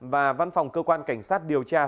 và văn phòng cơ quan cảnh sát điều tra